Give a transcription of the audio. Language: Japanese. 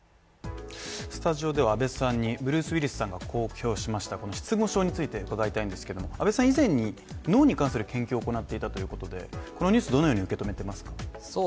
スタジオでは安部さんに、ブルース・ウィリスさんが公表しました失語症について伺いたいんですけども安部さん、以前に脳に関する研究を行っていたということでこのニュース、どのように受け止めていますか。